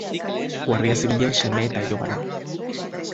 Guardia zibilen seme eta iloba da.